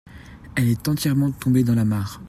Elle est entièrement tombée dans la mare.